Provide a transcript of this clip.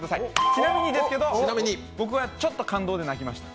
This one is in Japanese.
ちなみにですけど僕はちょっと感動で泣きました。